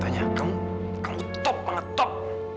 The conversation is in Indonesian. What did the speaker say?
tanya kamu top banget top